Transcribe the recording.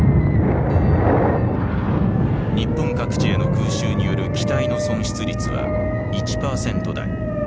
日本各地への空襲による機体の損失率は１％台。